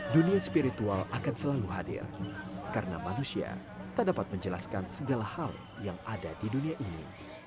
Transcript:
dunia spiritual akan selalu hadir karena manusia tak dapat menjelaskan segala hal yang ada di dunia ini